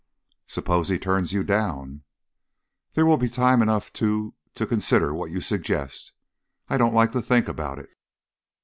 "S'pose he turns you down?" "Then there will be time enough to to consider what you suggest. I don't like to think about it."